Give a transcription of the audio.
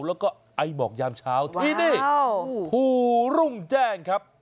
แล้วก็ไอหมอกยามเช้าที่นี่ภูรุ่งแจ้งครับ